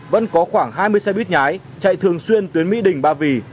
vẫn có khoảng hai mươi xe buýt nhái chạy thường xuyên tuyến mỹ đình ba vì